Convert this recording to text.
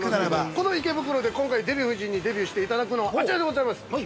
この池袋で、今回デヴィ夫人にデビューしていただくのはあちらでございます！